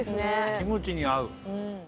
キムチに合う。